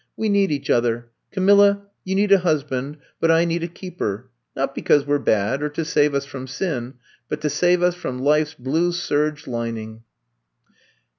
We need each other. Ca milla — you need a husband, but I need a keeper. Not because we 're bad, or to save us from sin, but to save us from life 's blue serge lining.